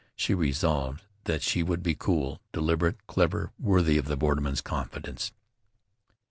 She resolved that she would be cool, deliberate, clever, worthy of the borderman's confidence.